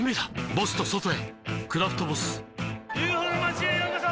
ボスと外へ「クラフトボス」ＵＦＯの町へようこそ！